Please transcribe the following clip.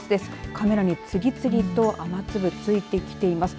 カメラに次々と雨粒、ついてきています。